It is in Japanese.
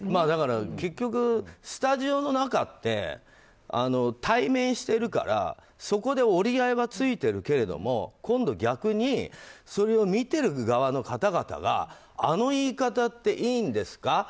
だから結局、スタジオの中って対面しているからそこで折り合いはついてるけれど今度逆にそれを見てる側の方々があの言い方っていいんですか？